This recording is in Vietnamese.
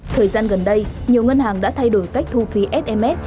thời gian gần đây nhiều ngân hàng đã thay đổi cách thu phí sms